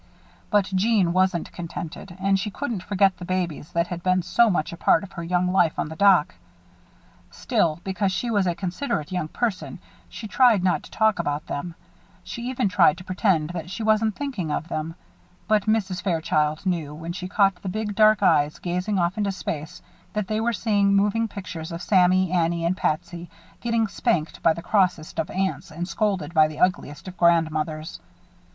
But Jeanne wasn't contented and she couldn't forget the babies that had been so much a part of her young life on the dock. Still, because she was a considerate young person, she tried not to talk about them; she even tried to pretend that she wasn't thinking of them; but Mrs. Fairchild knew, when she caught the big dark eyes gazing off into space, that they were seeing moving pictures of Sammy, Annie, and Patsy getting spanked by the crossest of aunts and scolded by the ugliest of grandmothers.